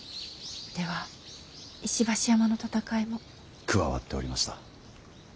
では石橋山の戦いも？加わっておりました。